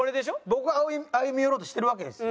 僕は歩み寄ろうとしてるわけです。